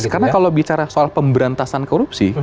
karena kalau bicara soal pemberantasan korupsi